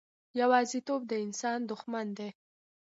یوازیتوب د انسان دښمن دی.